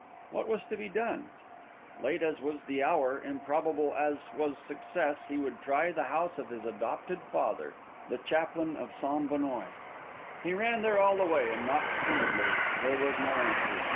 What was to be done? Late as was the hour, improbable as was success, he would try the house of his adopted father, the chaplain of St. Benoît. He ran there all the way, and knocked timidly. There was no answer.